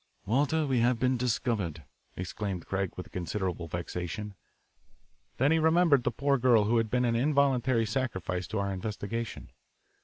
"Walter, we have been discovered," exclaimed Craig with considerable vexation. Then he remembered the poor girl who had been an involuntary sacrifice to our investigation.